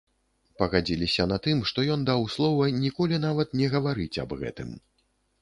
Пагадзіліся на тым, што ён даў слова ніколі нават не гаварыць аб гэтым.